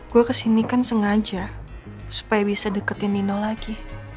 gue kesini kan sengaja supaya bisa deketin nino lagi